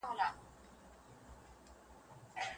سیاستوال خلګ په تسو وعدو ساتي.